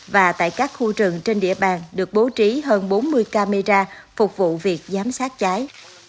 và tại các khu rừng trên địa bàn được bố trí hơn bốn mươi camera phục vụ việc giám sát cháy